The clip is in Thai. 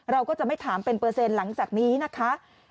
เราก็จะไม่ถามเป็นเปอร์เซ็นต์หลังจากนี้นะคะ